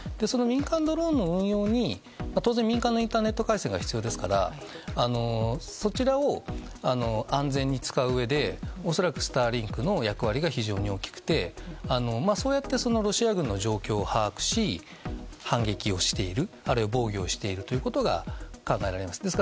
その民間ドローンの運用に当然民間のインターネット回線が必要ですからそちらを安全に使ううえで恐らくスターリンクの役割が非常に大きくてそうやってロシア軍の状況を把握し反撃をしているあるいは防御していると考えられます。